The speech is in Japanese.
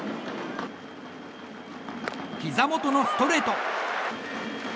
ひざ元のストレート。